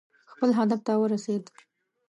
خپل هدف ته ورسېد.